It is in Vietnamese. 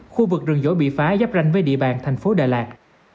khu vực rừng dỗ bị phá dắp ranh với địa bàn thành phố đà lạt